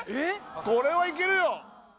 これはいけるよ